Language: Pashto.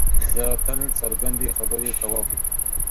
زه تل څرګندې خبرې کوم.